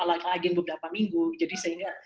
lagging beberapa minggu jadi sehingga